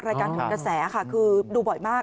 การขนกระแสค่ะคือดูบ่อยมาก